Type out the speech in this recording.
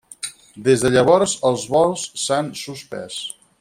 Des de llavors els vols s'han suspès.